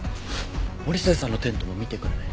森末さんのテントも見てくるね。